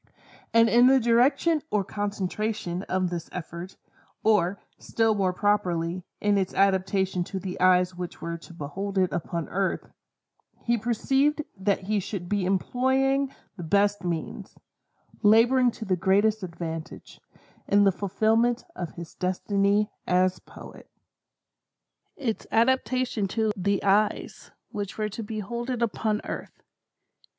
And in the direction or concentration of this effort, or, still more properly, in its adaption to the eyes which were to behold it upon earth, he perceived that he should be employing the best means—laboring to the greatest advantage—in the fulfilment of his destiny as Poet. "Its adaptation to the eyes which were to behold it upon earth."